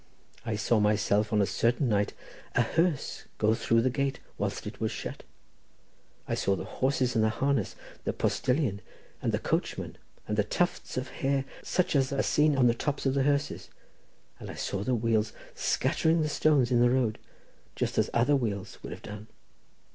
I saw myself on a certain night a hearse go through the gate whilst it was shut; I saw the horses and the harness, the postilion, and the coachman, and the tufts of hair such as are seen on the tops of hearses, and I saw the wheels scattering the stones in the road, just as other wheels would have done.